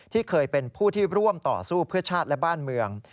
ที่เคยเป็นผู้ที่ร่วมต่อสู้เพื่อชาติและบ้านเมือง